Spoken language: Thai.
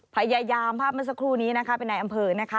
พยายามภาพเมื่อสักครู่นี้นะคะเป็นในอำเภอนะคะ